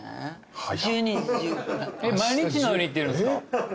毎日のように行ってるんすか？